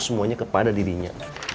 semuanya kepada dirinya